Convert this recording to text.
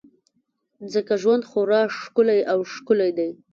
ځکه ژوند خورا ښکلی او ښکلی دی.